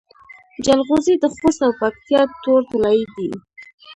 جلغوزي د خوست او پکتیا تور طلایی دي.